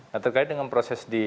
nah terkait dengan proses di